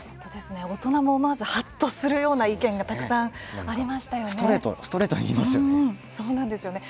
大人も、まずはっとするような意見がたくさんありましたよね。